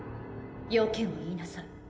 用件を言いなさい。